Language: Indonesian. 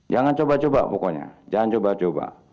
jangan coba coba pokoknya jangan coba coba